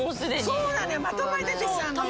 そうなのよまとまりでてきちゃうのよ。